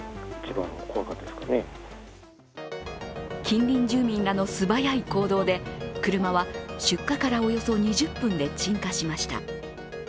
近隣住民らの素早い行動で車は出火からおよそ２０分で鎮火しました。